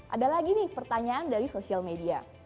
ada lagi nih pertanyaan dari social media